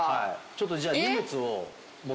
ちょっとじゃあ。